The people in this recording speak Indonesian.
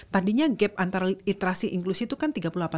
tadinya gap antara literasi inklusi itu kan tiga puluh delapan